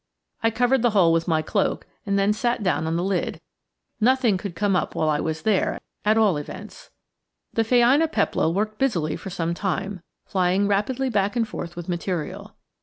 I covered the hole with my cloak and then sat down on the lid nothing could come up while I was there, at all events. The phainopepla worked busily for some time, flying rapidly back and forth with material.